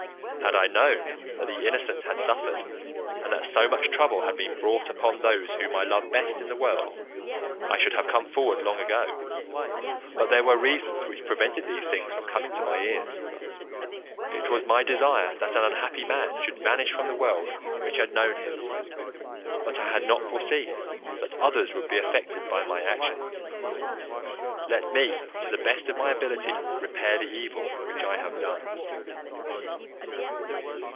Had I known that the innocent had suffered, and that so much trouble had been brought upon those whom I love best in the world, I should have come forward long ago; but there were reasons which prevented these things from coming to my ears. It was my desire that an unhappy man should vanish from the world which had known him, but I had not foreseen that others would be affected by my actions. Let me to the best of my ability repair the evil which I have done.